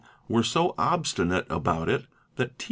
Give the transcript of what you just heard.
were so obstinate about it that T.